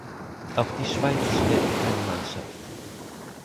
Auch die Schweiz stellte keine Mannschaft.